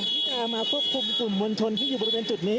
ที่จะมาควบคุมกลุ่มมวลชนที่อยู่บริเวณจุดนี้